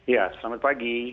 ya selamat pagi